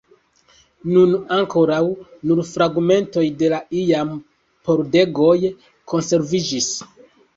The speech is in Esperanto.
Nun ankoraŭ nur fragmentoj de la iamaj pordegoj konserviĝis.